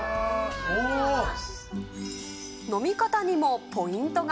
飲み方にもポイントが。